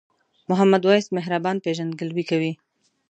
محمد وېس مهربان پیژندګلوي وه.